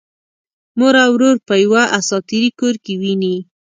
مور او ورور په یوه اساطیري کور کې ويني.